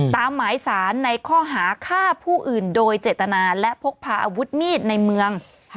หมายสารในข้อหาฆ่าผู้อื่นโดยเจตนาและพกพาอาวุธมีดในเมือง